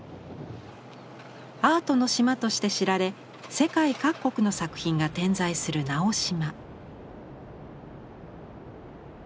アートの島として知られ世界各国の作品が点在する直島。